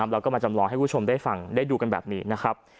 แล้วก็มาจำลองให้คุณผู้ชมได้ฟังได้ดูกันแบบนี้นะครับ